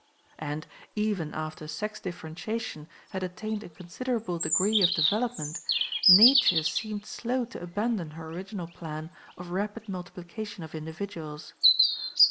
And, even after sex differentiation had attained a considerable degree of development, Nature seemed slow to abandon her original plan of rapid multiplication of individuals.